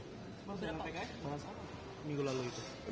maksudnya pak mengapa minggu lalu itu